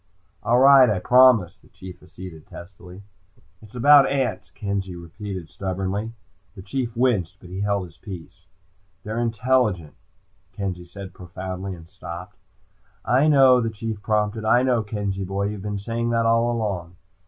"All right, I promise," the Chief acceded testily. "It's about ants," Kenzie repeated stubbornly. The Chief winced, but he held his peace. "They're intelligent," Kenzie said profoundly, and stopped. "I know," the Chief prompted. "I know, Kenzie boy. You've been saying that all along."